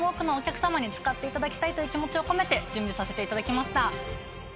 使っていただきたいという気持ちを込めて準備させていただきました。